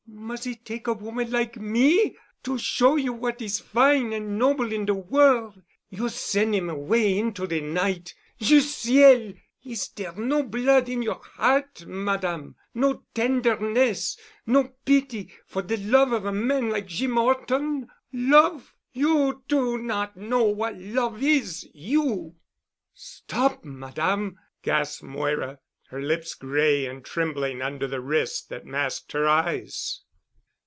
Mus' it take a woman like me to show you what is fine and noble in de worl'? You sen' 'im away into de night. Juste ciel! Is dere no blood in your heart, Madame, no tenderness, no pity, for de love of a man like Jeem 'Orton? Love! You do not know what love is, you——" "Stop, Madame!" gasped Moira, her lips gray and trembling under the wrist that masked her eyes.